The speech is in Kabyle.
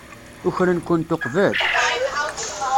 Ukren-kent uqbel?